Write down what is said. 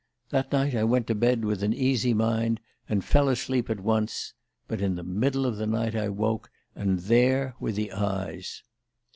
That night I went to bed with an easy mind, and fell asleep at once; but in the middle of the night I woke, and there were the eyes